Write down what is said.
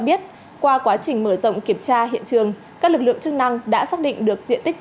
biết qua quá trình mở rộng kiểm tra hiện trường các lực lượng chức năng đã xác định được diện tích